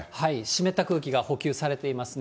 湿った空気が補給されていますね。